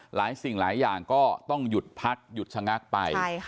สิ่งหลายอย่างก็ต้องหยุดพักหยุดชะงักไป